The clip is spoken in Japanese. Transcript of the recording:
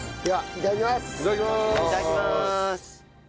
いただきます。